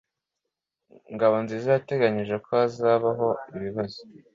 Ngabonziza yateganije ko hazabaho ibibazo.